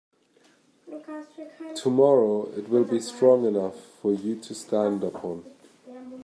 Tomorrow it will be strong enough for you to stand upon.